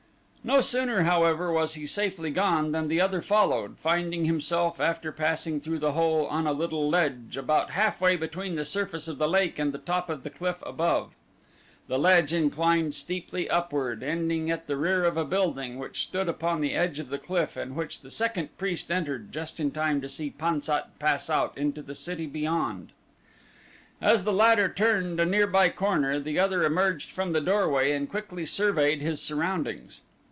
No sooner, however, was he safely gone than the other followed, finding himself, after passing through the hole, on a little ledge about halfway between the surface of the lake and the top of the cliff above. The ledge inclined steeply upward, ending at the rear of a building which stood upon the edge of the cliff and which the second priest entered just in time to see Pan sat pass out into the city beyond. As the latter turned a nearby corner the other emerged from the doorway and quickly surveyed his surroundings.